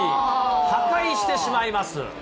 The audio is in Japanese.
破壊してしまいます。